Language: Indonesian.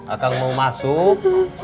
akan mau masuk